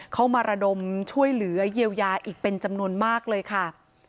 เข้ามาระดมช่วยเหลือเยียวยาอีกเป็นจำนวนมากเลยค่ะ